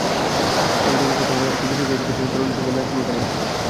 একই জায়গায় কথা হলো একটি বেসরকারি প্রতিষ্ঠানের তরুণ কর্মকর্তা নাসিমুল করিমের সঙ্গে।